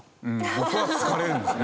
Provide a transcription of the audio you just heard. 僕はつつかれるんですね。